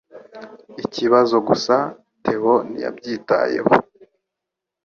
Ikibazo gusa Theo ntiyabyitayeho